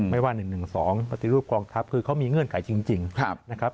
ไม่ว่า๑๑๒ปฏิรูปกองทัพคือเขามีเงื่อนไขจริงนะครับ